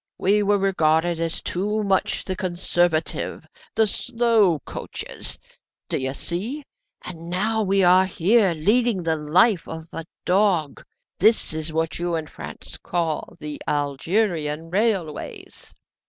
We were regarded as too much the conservative 'the slow coaches' d'ye see, and now we are here leading the life of a dog. This is what you in France call the Algerian railways."